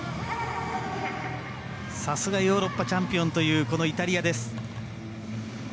さすがヨーロッパチャンピオンというイタリアです。